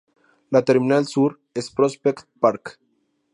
La terminal sur es Prospect Park.